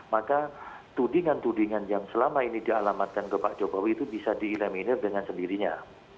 maka tudingan tudingan yang selama ini dialamatkan ke pak jokowi itu bisa diilaminir dengan sendirinya